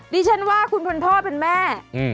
ดิฉันว่าคุณเป็นพ่อเป็นแม่